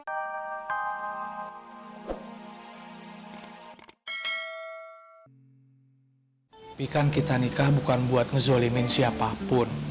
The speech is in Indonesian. tapi kan kita nikah bukan buat ngezolimin siapapun